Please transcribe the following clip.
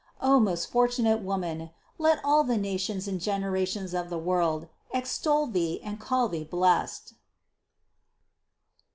O most fortunate woman ! let all the nations and gen erations of the world extol thee and call thee blessed!